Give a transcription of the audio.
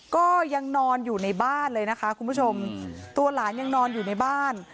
ก็ยังนอนอยู่ในบ้านเลยนะคะคุณผู้ชมตัวหลานยังนอนอยู่ในบ้าน